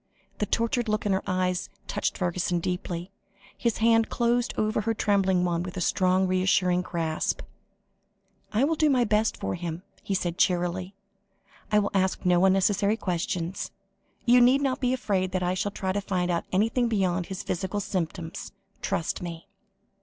The tortured look in her eyes touched Fergusson deeply, his hand closed over her trembling one with a strong, reassuring grasp. "I will do my best for him," he said cheerily; "and I will ask no unnecessary questions. You need not be afraid that I shall try to find out anything beyond his physical symptoms. Trust me."